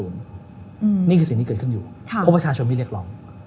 นี่คือสิ่งที่เกิดขึ้นอยู่เพราะประชาชนไม่เรียกร้อง